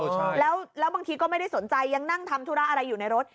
ใช่แล้วบางทีก็ไม่ได้สนใจยังนั่งทำธุระอะไรอยู่ในรถ